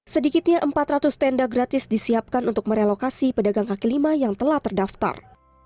sedikitnya empat ratus tenda gratis disiapkan untuk merelokasi pedagang kaki lima yang telah terdaftar